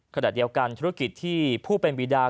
ขณะเดียวกันธุรกิจที่ผู้เป็นวีดา